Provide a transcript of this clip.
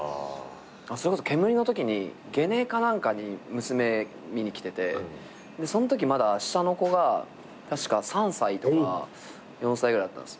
それこそ『けむり』のときにゲネか何かに娘見に来ててそんときまだ下の子が確か３歳とか４歳ぐらいだったんです。